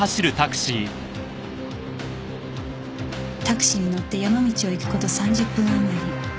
タクシーに乗って山道を行く事３０分あまり